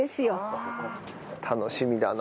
楽しみだな。